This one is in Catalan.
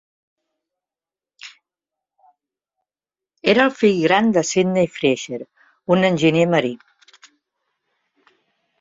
Era el fill gran de Sydney Fraser, un enginyer marí.